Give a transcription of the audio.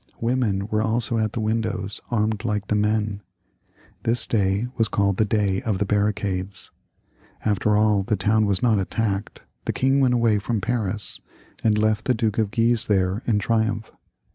Women were also at the windows armed like the men. This day was called the Day of the Barricades. After all, the town was not attacked, the king went away from Paris, and left the Duke of Guise there in triumph.